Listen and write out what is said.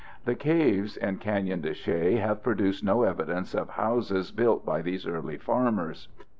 The caves in Canyon de Chelly have produced no evidence of houses built by these early farmers.